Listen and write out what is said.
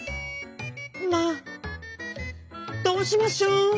「まあどうしましょう！？」。